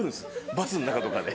バスの中とかで。